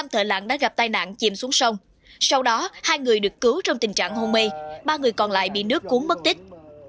năm thợ lặng đã gặp tai nạn chìm xuống sông sau đó hai người được cứu trong tình trạng hôn mê ba người còn lại bị nước cuốn mất tích